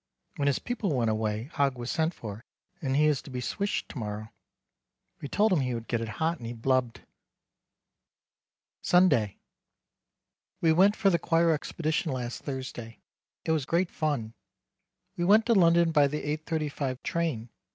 When his people went away Hogg was sent for and he is to be swished to morrow. We told him he would get it hot and he blubbed. Sunday. We went for the choir expedition last Thursday. It was great fun. We went to London by the 8.35 train.